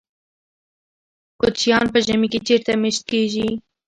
کوچیان په ژمي کې چیرته میشت کیږي؟